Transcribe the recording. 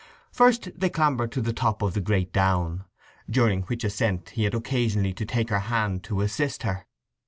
First they clambered to the top of the great down, during which ascent he had occasionally to take her hand to assist her.